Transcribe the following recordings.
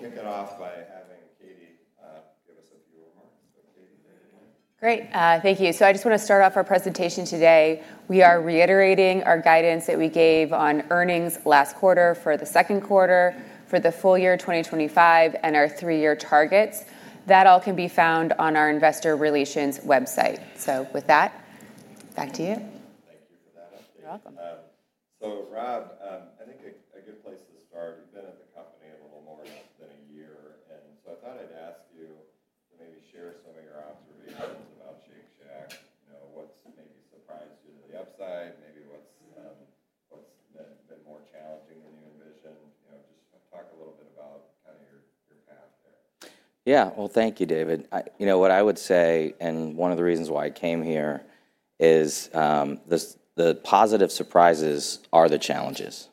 Hey, good morning, everybody. Welcome to the session for Shake Shack. I'm David Tarantino, the restaurant's analyst at Baird. As many of you know, Shake Shack is a leader in the fast-casual, premium, burger segment. The concept has been very popular and generated really good returns on capital, and has a lot of room to grow in our opinion. Please welcome two members of the management team here today: CEO Rob Lynch and CFO Katie Fogerty. I think we'll kick it off by having Katie give us a few remarks. Katie, take it away. Great. Thank you. I just wanna start off our presentation today. We are reiterating our guidance that we gave on earnings last quarter for the second quarter, for the full year 2025, and our three-year targets. That all can be found on our investor relations website. With that, back to you. Thank you. I think a good place to start. You've been at the company a little more than a year. I thought I'd ask you to maybe share some of your observations about Shake Shack, you know, what's maybe surprised you to the upside, maybe what's been more challenging than you envisioned. Yeah. Thank you, David. I, you know, what I would say, and one of the reasons why I came here is, the positive surprises are the challenges,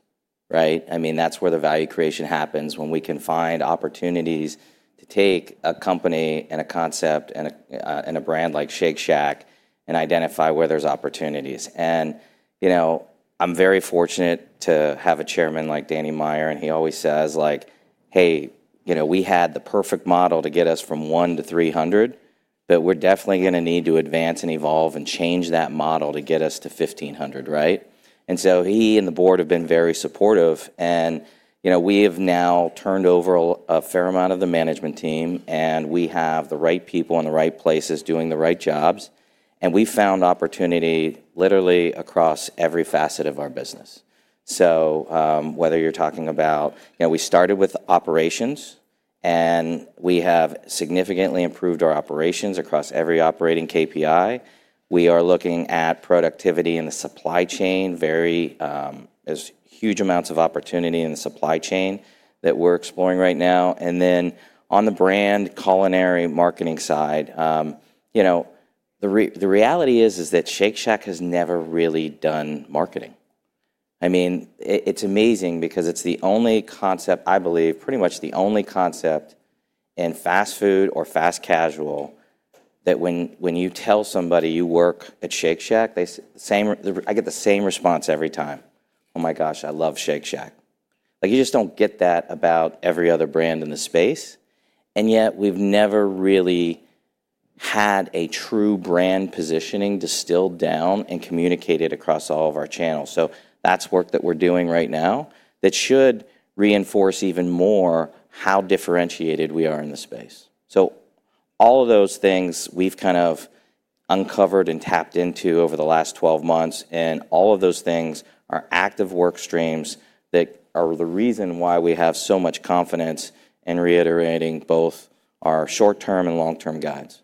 right? I mean, that's where the value creation happens, when we can find opportunities to take a company and a concept and a brand like Shake Shack and identify where there's opportunities. And you know, I'm very fortunate to have a Chairman like Danny Meyer, and he always says, like, "Hey, you know, we had the perfect model to get us from 1 to 300, but we're definitely gonna need to advance and evolve and change that model to get us to 1,500," right? He and the board have been very supportive. You know, we have now turned over a fair amount of the management team, and we have the right people in the right places doing the right jobs. We found opportunity literally across every facet of our business. So Whether you're talking about, you know, we started with operations, and we have significantly improved our operations across every operating KPI. We are looking at productivity in the supply chain, very, there's huge amounts of opportunity in the supply chain that we're exploring right now. On the brand culinary marketing side, you know, the reality is, is that Shake Shack has never really done marketing. I mean, it's amazing because it's the only concept, I believe, pretty much the only concept in fast food or fast-casual that when you tell somebody you work at Shake Shack, they say the same, I get the same response every time, "Oh my gosh, I love Shake Shack." Like, you just don't get that about every other brand in the space. Yet we've never really had a true brand positioning distilled down and communicated across all of our channels. That's work that we're doing right now that should reinforce even more how differentiated we are in the space. All of those things we've kind of uncovered and tapped into over the last 12 months, and all of those things are active work streams that are the reason why we have so much confidence in reiterating both our short-term and long-term guides.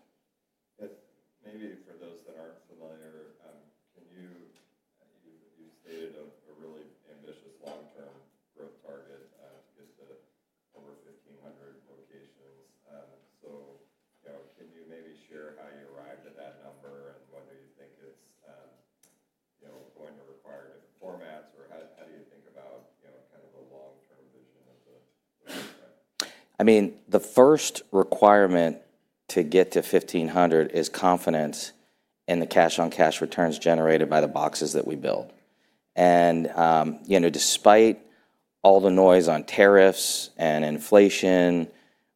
can you, you stated a really ambitious long-term growth target, to get to over 1,500 locations. So, you know, can you maybe share how you arrived at that number and whether you think it's, you know, going to require different formats or how do you think about, you I mean, the first requirement to get to 1,500 is confidence in the cash-on-cash returns generated by the boxes that we build. And you know, despite all the noise on tariffs and inflation,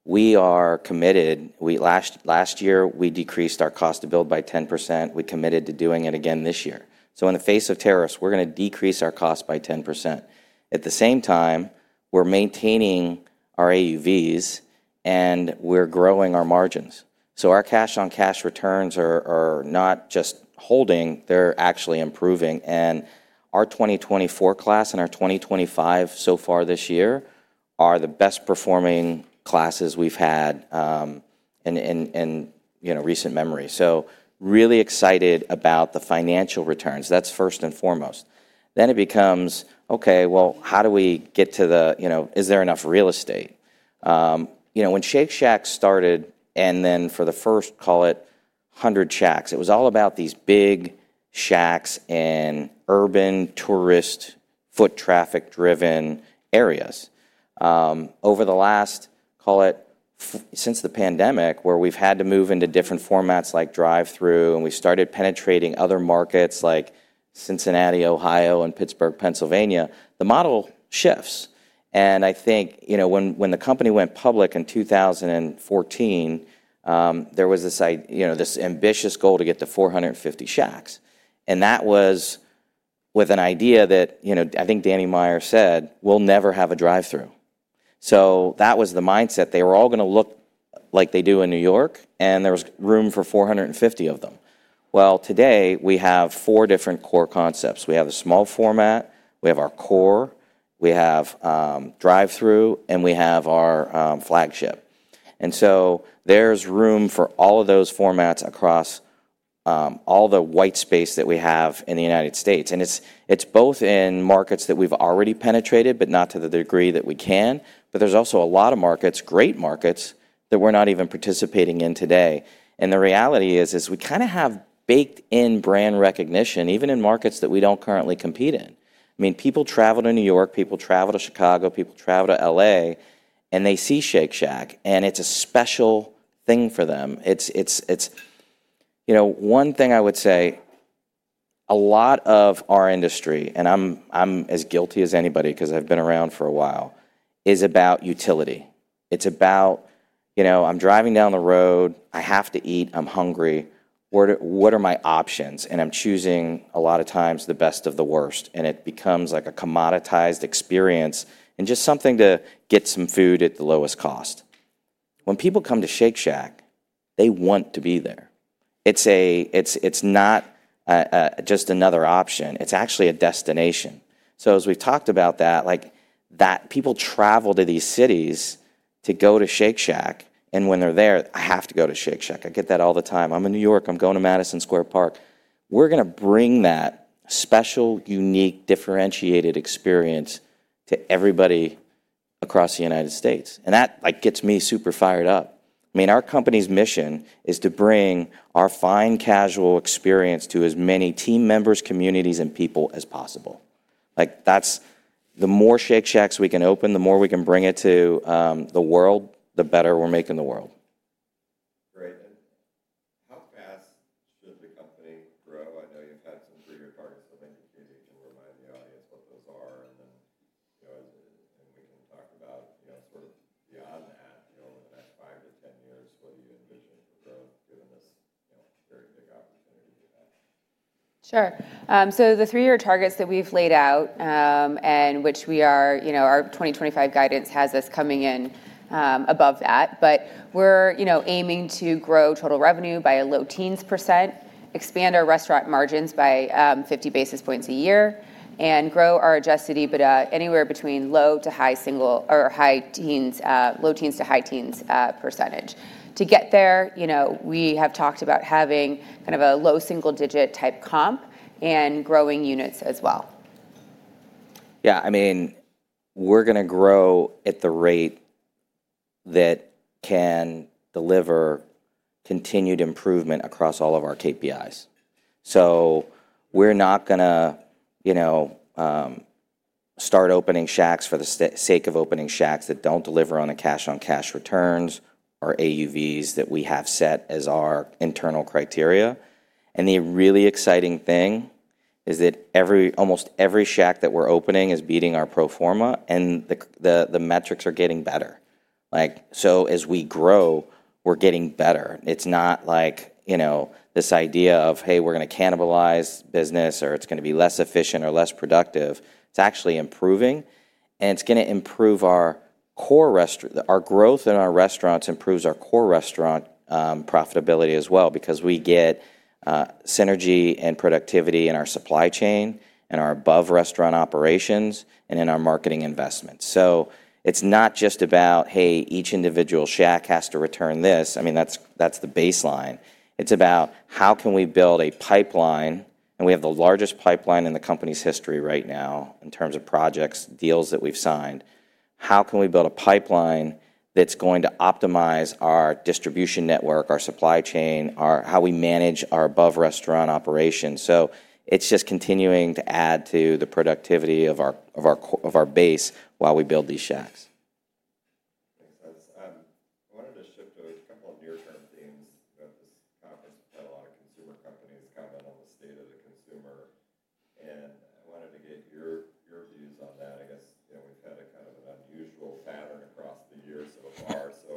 we are committed. Last year, we decreased our cost to build by 10%. We committed to doing it again this year. In the face of tariffs, we're gonna decrease our cost by 10%. At the same time, we're maintaining our AUVs, and we're growing our margins. Our cash-on-cash returns are not just holding, they're actually improving. Our 2024 class and our 2025 so far this year are the best-performing classes we've had in recent memory. Really excited about the financial returns. That's first and foremost. Then it becomes, okay, well, how do we get to the, you know, is there enough real estate? You know, when Shake Shack started and then for the first, call it, 100 shacks, it was all about these big shacks in urban, tourist, foot traffic-driven areas. Over the last, call it, since the pandemic, where we've had to move into different formats like drive-through and we started penetrating other markets like Cincinnati, Ohio, and Pittsburgh, Pennsylvania, the model shifts. And I think, you know, when the company went public in 2014, there was this, you know, this ambitious goal to get to 450 shacks. That was with an idea that, you know, I think Danny Meyer said, "We'll never have a drive-through." So That was the mindset. They were all gonna look like they do in New York, and there was room for 450 of them. Today we have four different core concepts. We have a small format, we have our core, we have drive-through, and we have our flagship. There is room for all of those formats across all the white space that we have in the United States. It is both in markets that we have already penetrated, but not to the degree that we can. There are also a lot of markets, great markets, that we are not even participating in today. The reality is, we kinda have baked-in brand recognition, even in markets that we do not currently compete in. I mean, people travel to New York, people travel to Chicago, people travel to LA, and they see Shake Shack, and it is a special thing for them. It's, you know, one thing I would say, a lot of our industry, and I'm as guilty as anybody 'cause I've been around for a while, is about utility. It's about, you know, I'm driving down the road, I have to eat, I'm hungry, what are my options? And I'm choosing a lot of times the best of the worst. It becomes like a commoditized experience and just something to get some food at the lowest cost. When people come to Shake Shack, they want to be there. It's not just another option. It's actually a destination. As we've talked about, people travel to these cities to go to Shake Shack, and when they're there, "I have to go to Shake Shack." I get that all the time. I'm in New York. I'm going to Madison Square Park. We're gonna bring that special, unique, differentiated experience to everybody across the United States. Like, that gets me super fired up. I mean, our company's mission is to bring our fine-casual experience to as many team members, communities, and people as possible. Like, the more Shake Shacks we can open, the more we can bring it to the world, the better we're making the world. should the company grow? I know you've had some three-year targets, so maybe Katie can remind the audience what those are. You know, we can talk about, you know, sort of beyond that, over the next 5 to 10 years, what do you envision for growth given this, you know, very big opportunity we have? Sure. The three-year targets that we've laid out, and which we are, you know, our 2025 guidance has us coming in above that. We're, you know, aiming to grow total revenue by a low teens %, expand our restaurant margins by 50 basis points a year, and grow our adjusted EBITDA anywhere between low teens-high teens %. To get there, you know, we have talked about having kind of a low single-digit type comp and growing units as well. Yeah. I mean, we're gonna grow at the rate that can deliver continued improvement across all of our KPIs. We're not gonna, you know, start opening shacks for the sake of opening shacks that don't deliver on the cash-on-cash returns or AUVs that we have set as our internal criteria. The really exciting thing is that almost every shack that we're opening is beating our pro forma, and the metrics are getting better. Like, as we grow, we're getting better. It's not like, you know, this idea of, "Hey, we're gonna cannibalize business," or, "It's gonna be less efficient or less productive." It's actually improving, and it's gonna improve our core, our growth in our restaurants improves our core restaurant profitability as well because we get synergy and productivity in our supply chain and our above-restaurant operations and in our marketing investments. So It's not just about, "Hey, each individual shack has to return this." I mean, that's the baseline. It's about how can we build a pipeline, and we have the largest pipeline in the company's history right now in terms of projects, deals that we've signed. How can we build a pipeline that's going to optimize our distribution network, our supply chain, how we manage our above-restaurant operations? It's just continuing to add to the productivity of our base while we build these shacks. Thanks. I wanted to shift to a couple of near-term themes. You know, this conference, we've had a lot of consumer companies comment on the state of the consumer, and I wanted to get your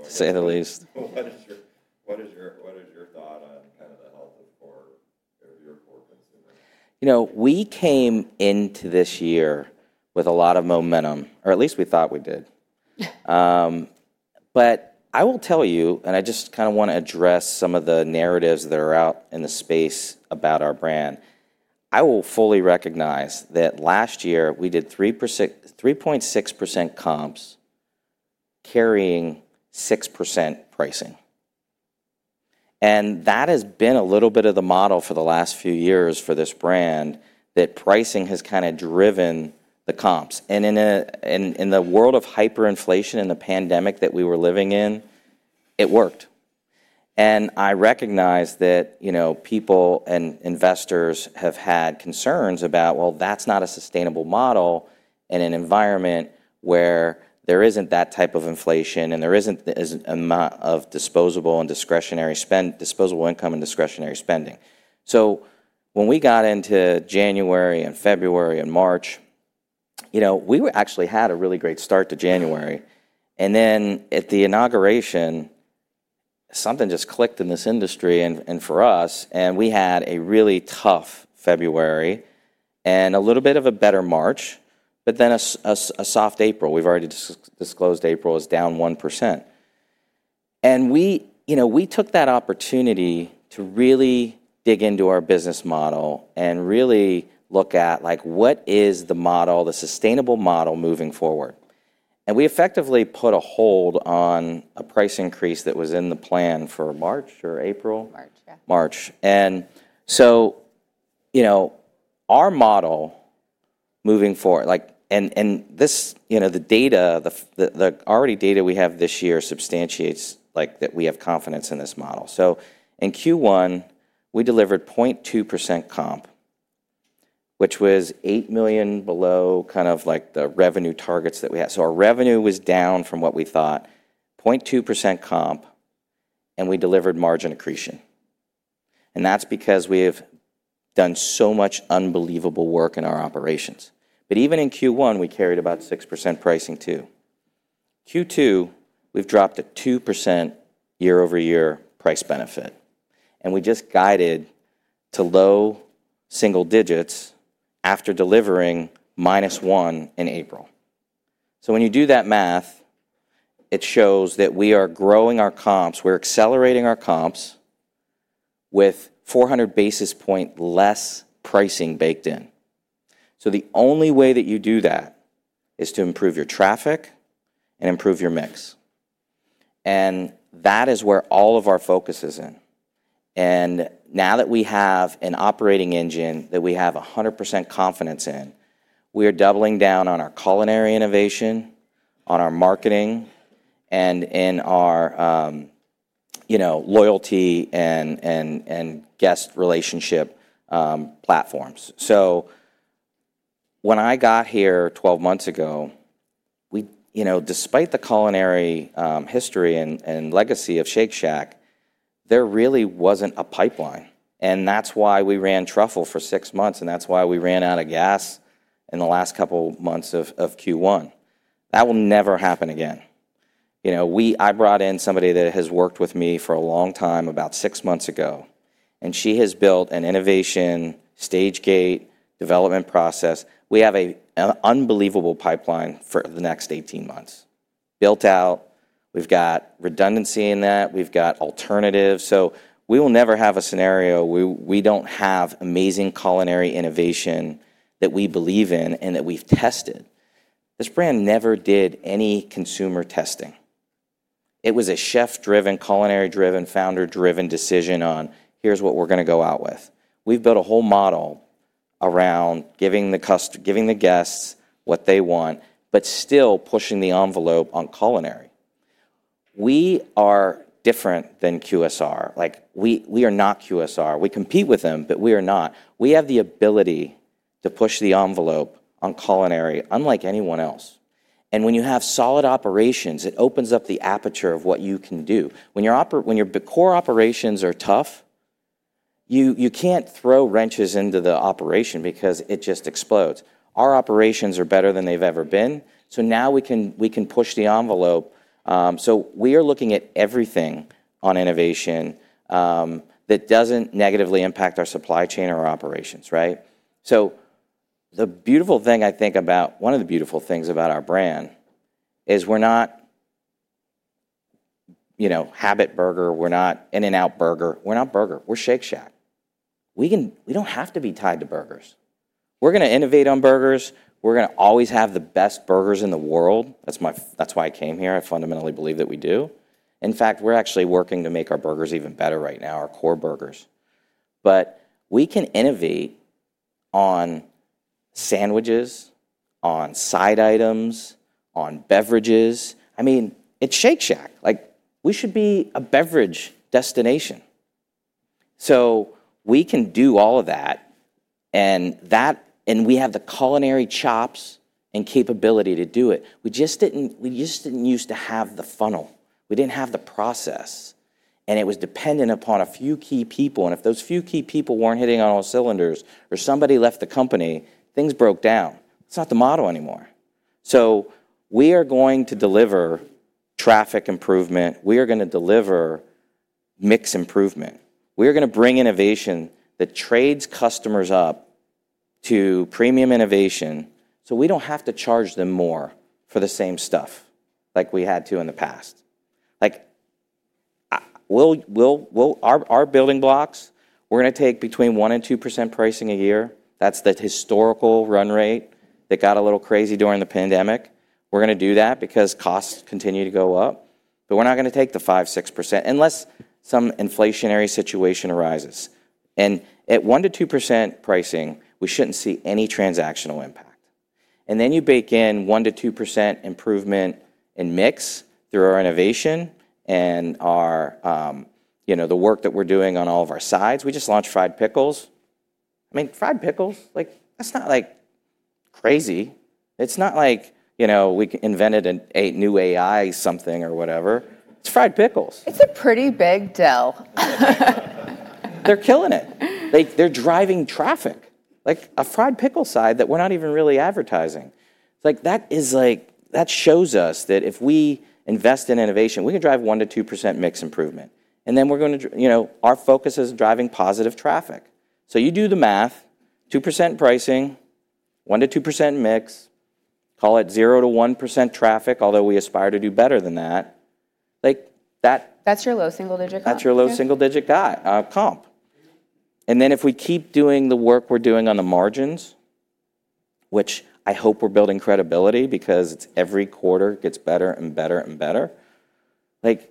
Say the least. What is your thought on kinda the health You know, we came into this year with a lot of momentum, or at least we thought we did. I will tell you, and I just kinda wanna address some of the narratives that are out in the space about our brand. I will fully recognize that last year we did 3%, 3.6% comps carrying 6% pricing. That has been a little bit of the model for the last few years for this brand, that pricing has kinda driven the comps. In a world of hyperinflation and the pandemic that we were living in, it worked. I recognize that, you know, people and investors have had concerns about, "Well, that's not a sustainable model in an environment where there isn't that type of inflation and there isn't the amount of disposable and discretionary spend, disposable income and discretionary spending." When we got into January and February and March, you know, we actually had a really great start to January. At the inauguration, something just clicked in this industry and, and for us, and we had a really tough February and a little bit of a better March, but then a soft April. We've already disclosed April is down 1%. And We took that opportunity to really dig into our business model and really look at, like, what is the model, the sustainable model moving forward? We effectively put a hold on a price increase that was in the plan for March or April. March, yeah. March. You know, our model moving forward, like, and this, you know, the data, the already data we have this year substantiates, like, that we have confidence in this model. In Q1, we delivered 0.2% comp, which was $8 million below kind of like the revenue targets that we had. Our revenue was down from what we thought, 0.2% comp, and we delivered margin accretion. That is because we have done so much unbelievable work in our operations. Even in Q1, we carried about 6% pricing too. Q2, we have dropped a 2% year-over-year price benefit, and we just guided to low single digits after delivering minus one in April. When you do that math, it shows that we are growing our comps. We are accelerating our comps with 400 basis point less pricing baked in. The only way that you do that is to improve your traffic and improve your mix. And That is where all of our focus is in. And Now that we have an operating engine that we have 100% confidence in, we are doubling down on our culinary innovation, on our marketing, and in our, you know, loyalty and guest relationship platforms. So When I got here 12 months ago, we, you know, despite the culinary history and legacy of Shake Shack, there really was not a pipeline. That is why we ran truffle for six months, and that is why we ran out of gas in the last couple months of Q1. That will never happen again. You know, I brought in somebody that has worked with me for a long time about six months ago, and she has built an innovation stage gate development process. We have an unbelievable pipeline for the next 18 months built out. We've got redundancy in that. We've got alternatives. We will never have a scenario we don't have amazing culinary innovation that we believe in and that we've tested. This brand never did any consumer testing. It was a chef-driven, culinary-driven, founder-driven decision on, "Here's what we're gonna go out with." We've built a whole model around giving the guests what they want, but still pushing the envelope on culinary. We are different than QSR. Like, we are not QSR. We compete with them, but we are not. We have the ability to push the envelope on culinary unlike anyone else. When you have solid operations, it opens up the aperture of what you can do. When your core operations are tough, you can't throw wrenches into the operation because it just explodes. Our operations are better than they've ever been. Now we can push the envelope. We are looking at everything on innovation that doesn't negatively impact our supply chain or our operations, right? The beautiful thing I think about, one of the beautiful things about our brand is we're not, you know, Habit Burger. We're not In-N-Out Burger. We're not burger. We're Shake Shack. We don't have to be tied to burgers. We're gonna innovate on burgers. We're gonna always have the best burgers in the world. That's my, that's why I came here. I fundamentally believe that we do. In fact, we're actually working to make our burgers even better right now, our core burgers. We can innovate on sandwiches, on side items, on beverages. I mean, it's Shake Shack. Like, we should be a beverage destination. We can do all of that, and we have the culinary chops and capability to do it. We just didn't used to have the funnel. We didn't have the process, and it was dependent upon a few key people. If those few key people weren't hitting on all cylinders or somebody left the company, things broke down. It's not the model anymore. We are going to deliver traffic improvement. We are gonna deliver mix improvement. We are gonna bring innovation that trades customers up to premium innovation so we don't have to charge them more for the same stuff like we had to in the past. Like, we'll, our building blocks, we're gonna take between 1-2% pricing a year. That's the historical run rate that got a little crazy during the pandemic. We're gonna do that because costs continue to go up, but we're not gonna take the 5-6% unless some inflationary situation arises. At 1-2% pricing, we shouldn't see any transactional impact. Then you bake in 1-2% improvement in mix through our innovation and our, you know, the work that we're doing on all of our sides. We just launched Fried Pickles. I mean, Fried Pickles, like, that's not like crazy. It's not like, you know, we invented a new AI something or whatever. It's Fried Pickles. It's a pretty big deal. They're killing it. They're driving traffic, like a Fried Pickle side that we're not even really advertising. It's like, that shows us that if we invest in innovation, we can drive 1-2% mix improvement, and then we're gonna, you know, our focus is driving positive traffic. You do the math, 2% pricing, 1-2% mix, call it 0-1% traffic, although we aspire to do better than that. Like, that. That's your low single-digit comp. That's your low single-digit guy, comp. If we keep doing the work we're doing on the margins, which I hope we're building credibility because every quarter gets better and better and better, like,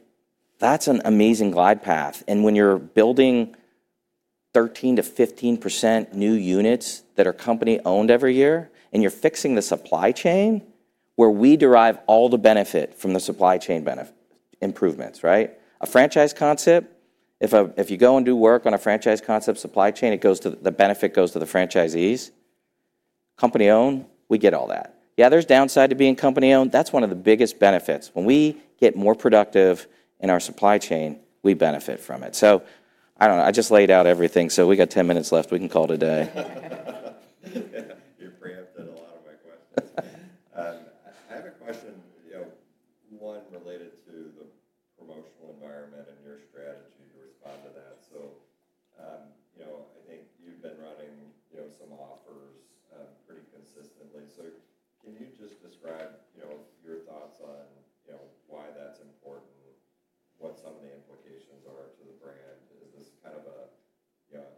that's an amazing glide path. When you're building 13-15% new units that are company-owned every year and you're fixing the supply chain where we derive all the benefit from the supply chain benefit improvements, right? A franchise concept, if you go and do work on a franchise concept supply chain, the benefit goes to the franchisees. Company-owned, we get all that. Yeah, there's downside to being company-owned. That's one of the biggest benefits. When we get more productive in our supply chain, we benefit from it. I don't know. I just laid out everything. We got 10 minutes left. We can call it a day. You've preempted a lot of my questions. I have a question, you know, one related to the promotional environment and your strategy to respond to that. I think you've been running, you know, some offers, pretty consistently. Can you just describe, you know, your thoughts on, you know, why that's important, what some of the implications are to the brand? Is this kind of a, you know,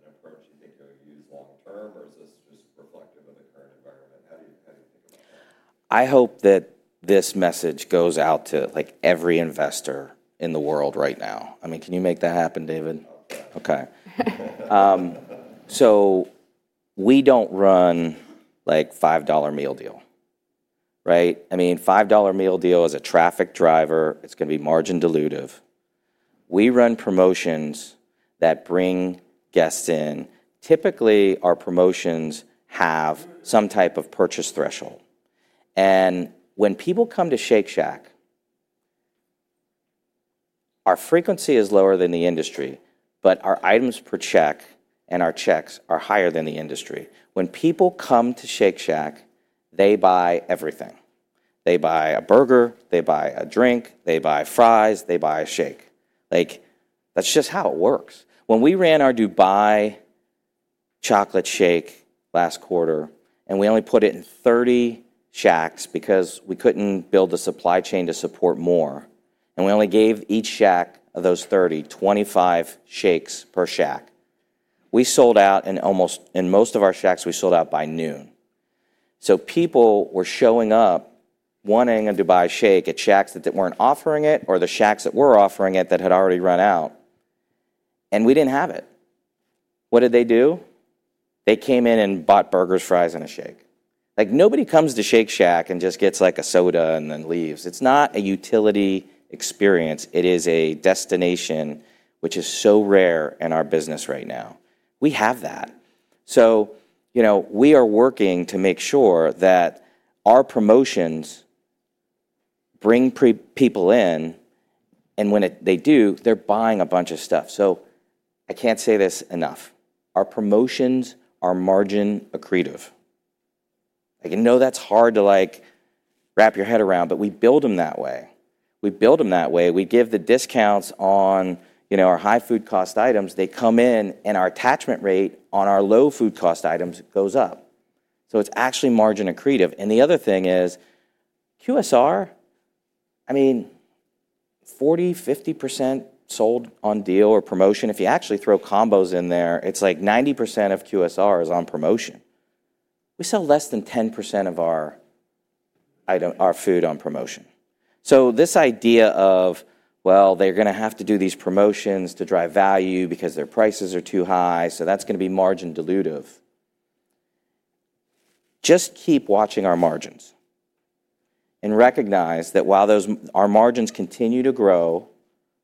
an approach you think you'll use long-term, or is this just reflective of the current environment? How do you, how do you think about that? I hope that this message goes out to, like, every investor in the world right now. I mean, can you make that happen, David? Okay. We do not run like $5 meal deal, right? I mean, $5 meal deal is a traffic driver. It is gonna be margin-dilutive. We run promotions that bring guests in. Typically, our promotions have some type of purchase threshold. When people come to Shake Shack, our frequency is lower than the industry, but our items per check and our checks are higher than the industry. When people come to Shake Shack, they buy everything. They buy a burger, they buy a drink, they buy fries, they buy a shake. That is just how it works. When we ran our Dubai Chocolate Shake last quarter, and we only put it in 30 shacks because we could not build a supply chain to support more, and we only gave each shack of those 30, 25 shakes per shack. We sold out in almost, in most of our Shacks, we sold out by noon. People were showing up wanting a Dubai Chocolate Shake at Shacks that were not offering it or the Shacks that were offering it that had already run out, and we did not have it. What did they do? They came in and bought burgers, fries, and a shake. Like, nobody comes to Shake Shack and just gets like a soda and then leaves. It is not a utility experience. It is a destination, which is so rare in our business right now. We have that. You know, we are working to make sure that our promotions bring people in, and when they do, they are buying a bunch of stuff. I cannot say this enough. Our promotions are margin accretive. I know that is hard to, like, wrap your head around, but we build them that way. We build them that way. We give the discounts on, you know, our high food cost items. They come in, and our attachment rate on our low food cost items goes up. It is actually margin accretive. The other thing is QSR, I mean, 40-50% sold on deal or promotion. If you actually throw combos in there, it is like 90% of QSR is on promotion. We sell less than 10% of our food on promotion. This idea of, well, they are gonna have to do these promotions to drive value because their prices are too high, so that is gonna be margin-dilutive. Just keep watching our margins and recognize that while our margins continue to grow,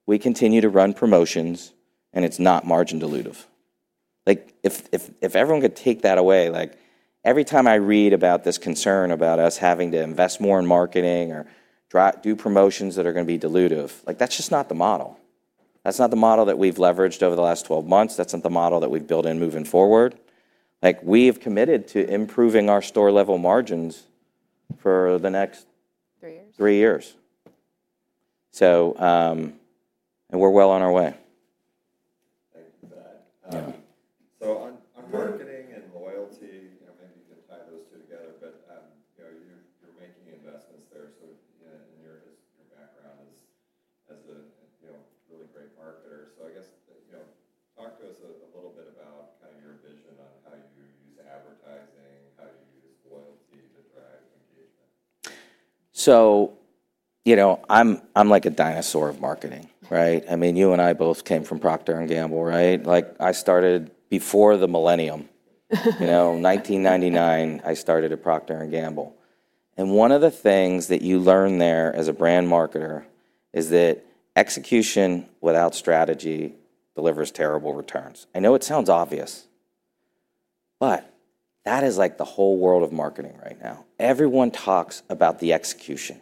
we continue to run promotions, and it is not margin-dilutive. Like, if everyone could take that away, like, every time I read about this concern about us having to invest more in marketing or drive, do promotions that are gonna be dilutive, like, that's just not the model. That's not the model that we've leveraged over the last 12 months. That's not the model that we've built in moving forward. Like, we have committed to improving our store-level margins for the next. Three years. Three years. And we're well on our way. Yeah. On marketing and loyalty, you know, maybe you can tie those two together, but, you know, you're making investments there. You know, and your background is as a, you know, really great marketer. I guess, you know, talk to us a little bit about kind of your vision on how So You know, I'm like a dinosaur of marketing, right? I mean, you and I both came from Procter & Gamble, right? I started before the millennium, you know, 1999, I started at Procter & Gamble. One of the things that you learn there as a brand marketer is that execution without strategy delivers terrible returns. I know it sounds obvious, but that is like the whole world of marketing right now. Everyone talks about the execution.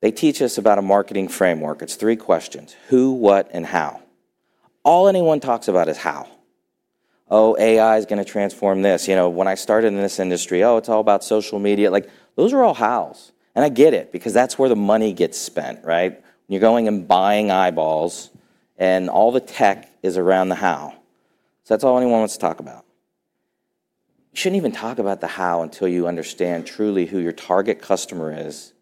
They teach us about a marketing framework. It's three questions: who, what, and how. All anyone talks about is how. Oh, AI is gonna transform this. You know, when I started in this industry, oh, it's all about social media. Like, those are all hows. I get it because that's where the money gets spent, right? You're going and buying eyeballs, and all the tech is around the how. That's all anyone wants to talk about. You shouldn't even talk about the how until you understand truly who your target customer is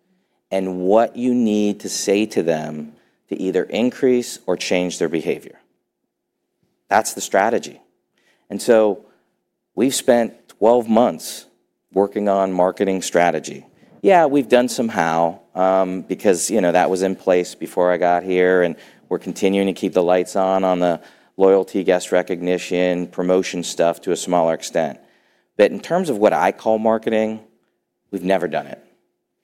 and what you need to say to them to either increase or change their behavior. That's the strategy. We've spent 12 months working on marketing strategy. Yeah, we've done some how, because, you know, that was in place before I got here, and we're continuing to keep the lights on on the loyalty, guest recognition, promotion stuff to a smaller extent. In terms of what I call marketing, we've never done it.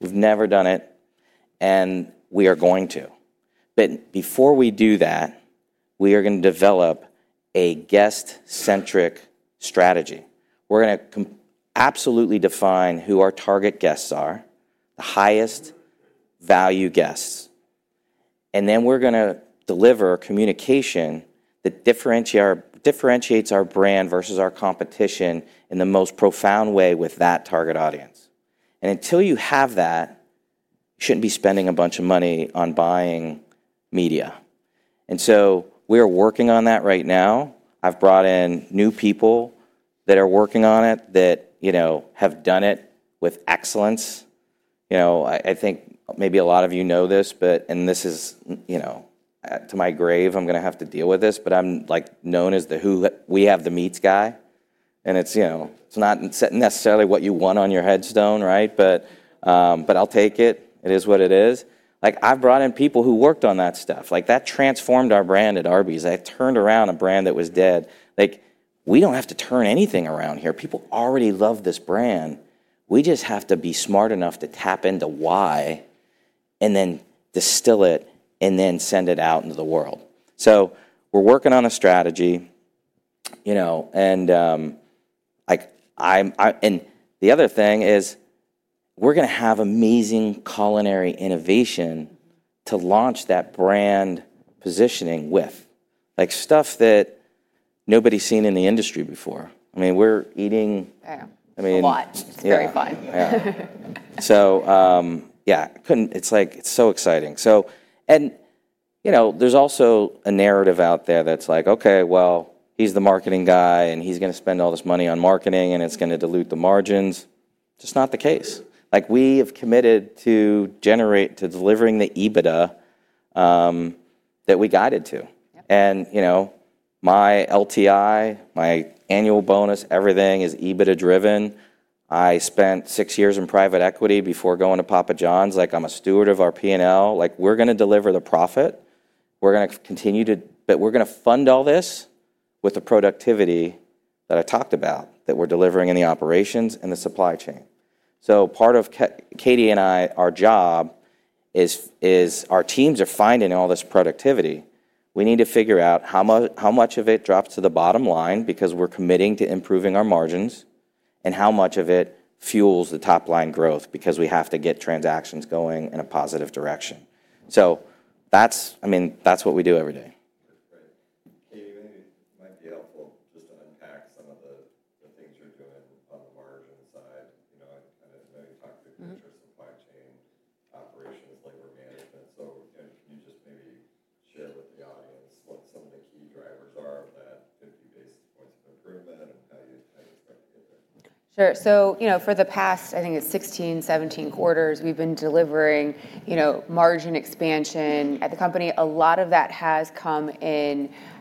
We've never done it, and we are going to. Before we do that, we are gonna develop a guest-centric strategy. We're gonna absolutely define who our target guests are, the highest value guests, and then we're gonna deliver communication that differentiates, differentiates our brand versus our competition in the most profound way with that target audience. Until you have that, you shouldn't be spending a bunch of money on buying media. We are working on that right now. I've brought in new people that are working on it that, you know, have done it with excellence. You know, I think maybe a lot of you know this, but, and this is, you know, to my grave, I'm gonna have to deal with this, but I'm like known as the "we have the meats" guy, and it's, you know, it's not necessarily what you want on your headstone, right? I'll take it. It is what it is. Like, I've brought in people who worked on that stuff. Like, that transformed our brand at Arby's. I turned around a brand that was dead. Like, we don't have to turn anything around here. People already love this brand. We just have to be smart enough to tap into why and then distill it and then send it out into the world. We're working on a strategy, you know, and, like, I'm, and the other thing is we're gonna have amazing culinary innovation to launch that brand positioning with, like, stuff that nobody's seen in the industry before. I mean, we're eating. Yeah. I mean. A lot. Yeah. Very fun. Yeah. So, yeah, couldn't, it's like, it's so exciting. So, and, you know, there's also a narrative out there that's like, okay, well, he's the marketing guy and he's gonna spend all this money on marketing and it's gonna dilute the margins. Just not the case. Like, we have committed to generate, to delivering the EBITDA, that we guided to. Yep. You know, my LTI, my annual bonus, everything is EBITDA driven. I spent six years in private equity before going to Papa John's. Like, I'm a steward of our P&L. Like, we're gonna deliver the profit. We're gonna continue to, but we're gonna fund all this with the productivity that I talked about that we're delivering in the operations and the supply chain. Part of Katie and I, our job is, is our teams are finding all this productivity. We need to figure out how much, how much of it drops to the bottom line because we're committing to improving our margins and how much of it fuels the top line growth because we have to get transactions going in a positive direction. I mean, that's what we do every day.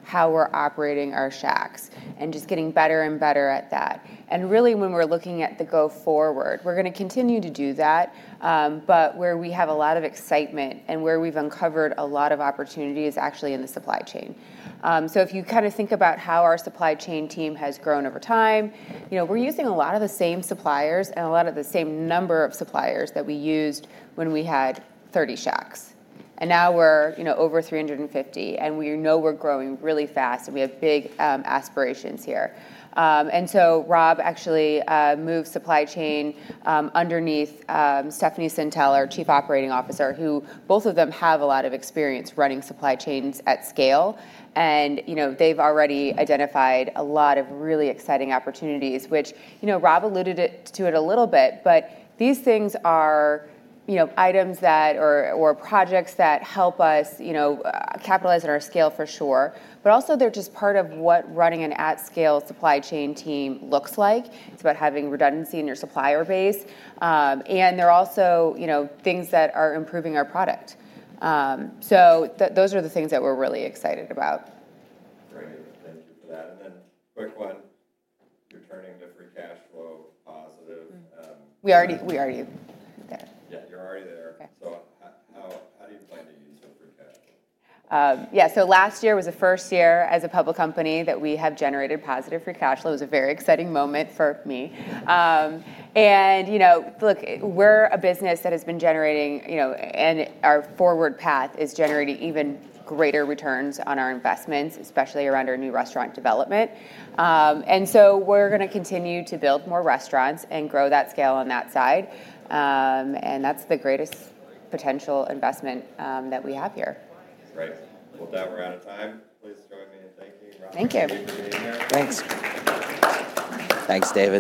how we're operating our shacks and just getting better and better at that. Really, when we're looking at the go forward, we're gonna continue to do that, but where we have a lot of excitement and where we've uncovered a lot of opportunity is actually in the supply chain. If you kind of think about how our supply chain team has grown over time, you know, we're using a lot of the same suppliers and a lot of the same number of suppliers that we used when we had 30 shacks. Now we're, you know, over 350, and we know we're growing really fast and we have big, aspirations here. Rob actually moved supply chain underneath Stephanie Santeller, Chief Operating Officer, who both of them have a lot of experience running supply chains at scale. And, you know, they've already identified a lot of really exciting opportunities, which, you know, Rob alluded to it a little bit, but these things are, you know, items that, or projects that help us, you know, capitalize on our scale for sure, but also they're just part of what running an at-scale supply chain team looks like. It's about having redundancy in your supplier base. And they're also, you know, things that are improving our product. So those are the things that we're really excited about. Great. Thank you for that. Quick one, you're turning to free cash flow positive. We already there. Yeah, you're already there. Okay. How do Yeah. Last year was the first year as a public company that we have generated positive free cash flow. It was a very exciting moment for me. And, you know, look, we're a business that has been generating, you know, and our forward path is generating even greater returns on our investments, especially around our new restaurant development. And so we're gonna continue to build more restaurants and grow that scale on that side. And that's the greatest potential investment that we have here. Great. With that, we're out of time. Thank you. Thank you for being here. Thanks. Thanks, David.